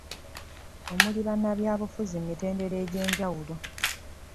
Okuli bannabyabufuzi ku mitendera egy'enjawulo.